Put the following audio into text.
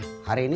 nggak ada be